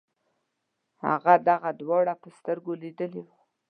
هغه دغه دواړه په سترګو لیدلي وو.